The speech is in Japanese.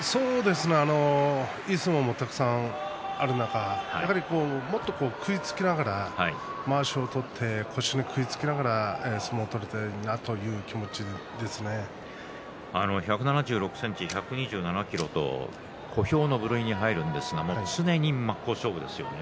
いい相撲もたくさんある中もっと食いつきながらまわしを取って腰に食いつきながら相撲を取れる１７６ｃｍ１２７ｋｇと小兵の部類に入るんですが常に真っ向勝負ですよね